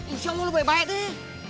insya allah lo baik baik nih